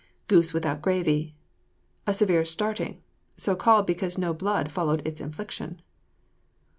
GOOSE WITHOUT GRAVY. A severe starting, so called because no blood followed its infliction.